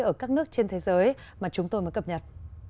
ở các nước trên thế giới mà chúng tôi mới cập nhật